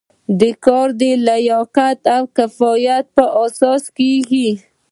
دا کار د لیاقت او کفایت په اساس کیږي.